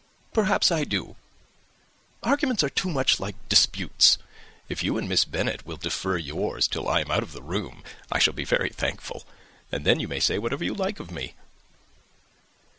"Perhaps I do. Arguments are too much like disputes. If you and Miss Bennet will defer yours till I am out of the room, I shall be very thankful; and then you may say whatever you like of me."